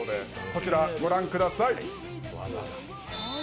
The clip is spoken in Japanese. こちら御覧ください。